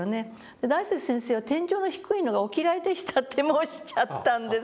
「大拙先生は天井の低いのがお嫌いでした」と申しちゃったんですよ。